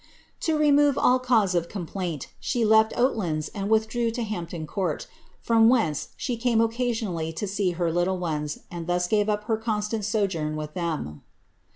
To remove all cause of complaint, she left Oatlands and withdrew to Hampton Court, from whence she came occasionally to see her little ones, and thus gave up her constant sojourn with them.